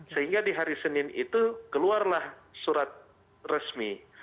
sehingga di hari senin itu keluarlah surat resmi